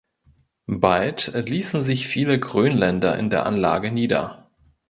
Bald ließen sich viele Grönländer in der Anlage nieder.